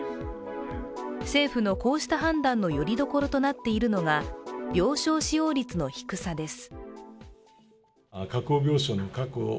政府のこうした判断のよりどころとなっているのが、病床使用率の低さです。